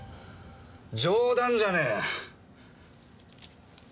冗談じゃねえや。